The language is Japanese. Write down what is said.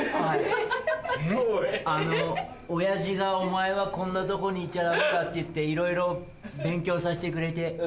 親父が「お前はこんなとこにいちゃダメだ」って言っていろいろ勉強さしてくれて。